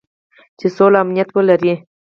چې سوله او امنیت ولري.